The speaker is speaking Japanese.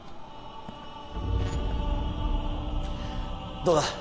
どうだ？